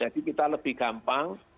jadi kita lebih gampang